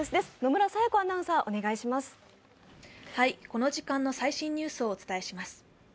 この時間の最新ニュースをお伝えします。